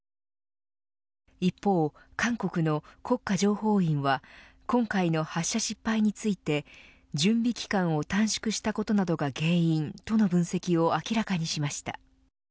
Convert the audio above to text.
一方、韓国の国家情報院は今回の発射失敗について準備期間を短縮したことなどが原因との分析を明らかにしました。